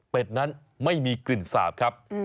เป็นนั้นไม่มีกลิ่นสาบครับ